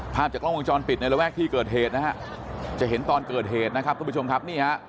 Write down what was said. ภาพจากกล้องวงจรปิดในระแวกที่เกิดเหตุนะฮะจะเห็นตอนเกิดเหตุนะครับทุกผู้ชมครับนี่ฮะ